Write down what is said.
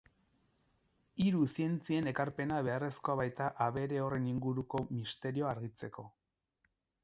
Hiru zientzien ekarpena beharrezkoa baita abere horren inguruko misterioa argitzeko.